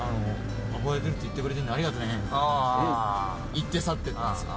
憧れてるって言ってくれてるんでしょ、ありがとねって言って去っていったんですよ。